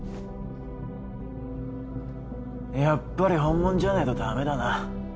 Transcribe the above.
やっぱり本物じゃねえとダメだな。